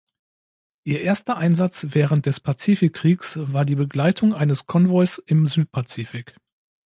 Ihr erster Einsatz während des Pazifikkriegs war die Begleitung eines Konvois im Südpazifik.